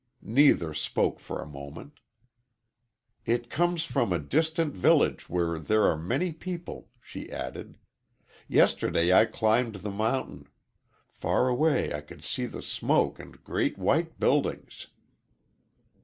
Neither spoke for a moment. "It comes from a distant village where there are many people," she added. "Yesterday I climbed the mountain. Far away I could see the smoke and great white buildings."